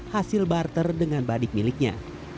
hasil barter dengan badik miliknya